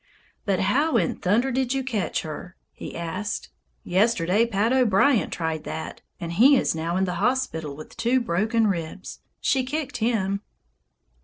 "But how in thunder did you catch her?" he asked. "Yesterday Pat O'Brien tried that, and he is now in the hospital with two broken ribs. She kicked him."